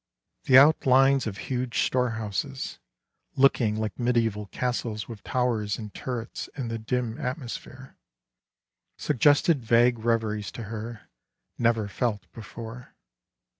The outlines of huge storehouses, looking like medieval castles with towers and turrets in the dim atmosphere, suggested vague reveries to her, never felt before.